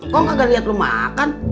kau kagak liat lo makan